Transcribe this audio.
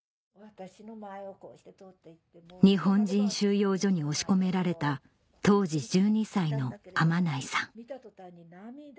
日本人収容所に押し込められた当時１２歳の天内さん